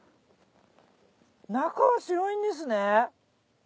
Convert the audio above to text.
中は白いんですね。